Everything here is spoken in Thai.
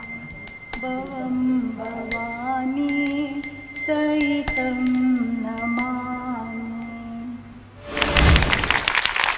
บำบวะมี